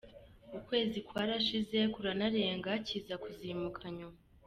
Ukwezi kwarashize kuranarenga kiza kuzimuka nyuma.